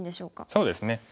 そうですね。